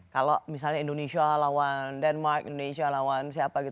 kalau misalnya indonesia lawan denmark indonesia lawan siapa